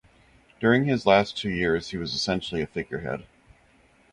During his last two years he was essentially a figurehead.